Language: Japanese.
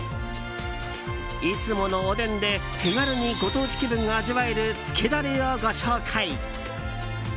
いつものおでんで手軽にご当地気分が味わえるつけダレをご紹介。